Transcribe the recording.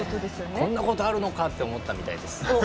こんなことあるのかって思ったみたいです。